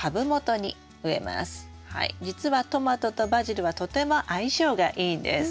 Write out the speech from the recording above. じつはトマトとバジルはとても相性がいいんです。